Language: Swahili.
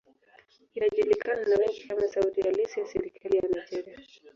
Inajulikana na wengi kama sauti halisi ya serikali ya Nigeria.